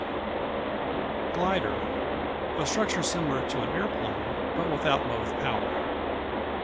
G Glider A structure similar to an aeroplane, but without motive power.